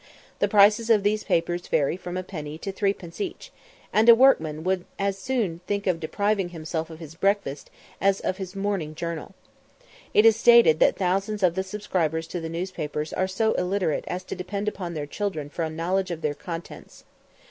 The prices of these papers vary from a penny to threepence each, and a workman would as soon think of depriving himself of his breakfast as of his morning journal. It is stated that thousands of the subscribers to the newspapers are so illiterate as to depend upon their children for a knowledge of their contents.